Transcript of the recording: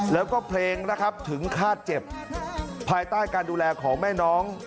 แล้วก็เพลงนะครับถึงฆาตเจ็บภายใต้การดูแลของแม่น้อง